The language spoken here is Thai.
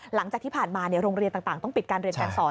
หลังจากที่ผ่านมาโรงเรียนต่างต้องปิดการเรียนการสอน